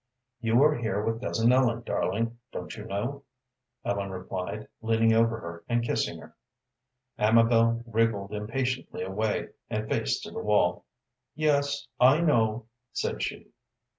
"You are here with cousin Ellen, darling, don't you know?" Ellen replied, leaning over her, and kissing her. Amabel wriggled impatiently away, and faced to the wall. "Yes, I know," said she.